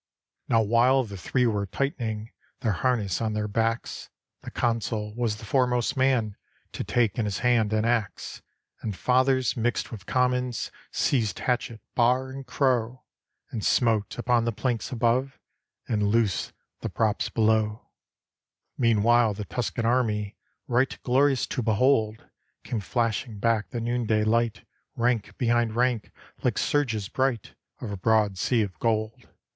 Now while the Three were tightening Their harness on their backs. The Consul was the foremost man To take in hand an axe: And Fathers mixed with Commons Seized hatchet, bar, and crow, And smote upon the planks above, And loosed the props below. 278 I HORATIUS Meanwhile the Tuscan army, Right glorious to behold, Came flashing back the noonday light, Rank behind rank, like surges bright Of a broad sea of gold.